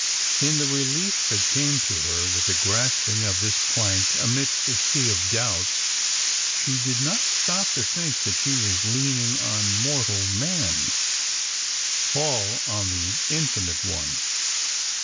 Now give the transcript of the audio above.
In the relief that came to her with the grasping of this plank amidst a sea of doubts, she did not stop to think that she was lean ing on mortal man, — Paul, on the Infinite One.